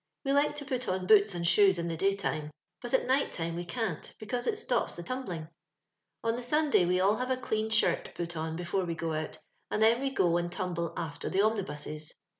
We like to put on boots and shoes in the day time, but at night time we cant, because it stops the tumblmg. " On the Sunday we all have a clean shirt put on before we go out, and then we go and tumble after the omnibuses.